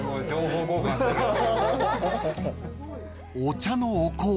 ［お茶のお香